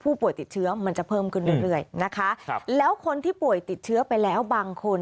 ป่วยติดเชื้อมันจะเพิ่มขึ้นเรื่อยเรื่อยนะคะครับแล้วคนที่ป่วยติดเชื้อไปแล้วบางคน